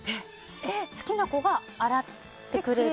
好きな子が洗ってくれる？